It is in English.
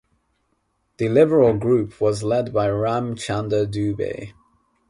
The Liberal Group was led by Ram Chander Dubey.